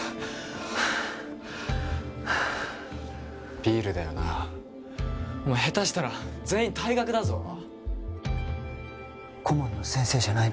ビールだよなお前ヘタしたら全員退学だぞ顧問の先生じゃないの？